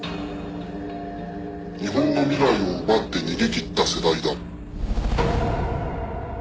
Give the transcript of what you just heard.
「日本の未来を奪って逃げ切った世代だ」